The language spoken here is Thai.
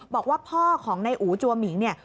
บอกว่าพ่อของนายอู๋จัวหมิงเนี่ย